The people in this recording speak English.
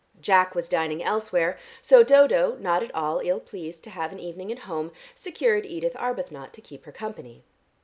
Jack was dining elsewhere, so Dodo, not at all ill pleased to have an evening at home, secured Edith Arbuthnot to keep her company.